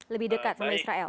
lebih dekat sama israel